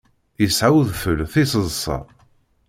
Yesɛa udfel tiseḍsa.